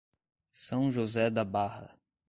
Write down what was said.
São José da Barra